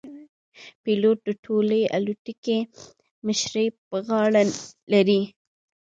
پیلوټ د ټولې الوتکې مشري پر غاړه لري.